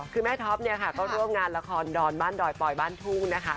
คือแม่ท็อปเนี่ยค่ะก็ร่วมงานละครดอนบ้านดอยปอยบ้านทุ่งนะคะ